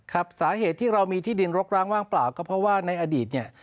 ครับสาเหตุที่เรามีที่ดินรกร้างว่างเปล่าก็เพราะว่าในอดีตเนี่ย